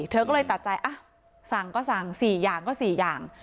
เธอก็เลยตัดใจสั่งก็สั่ง๔อย่างก็๔อย่าง